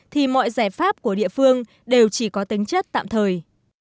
thì mọi giải pháp của địa phương đều chỉ có tính chất tạm thời